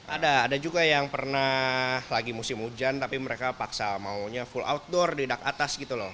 ada juga yang pernah lagi musim hujan tapi mereka paksa maunya full outdoor di dak atas gitu loh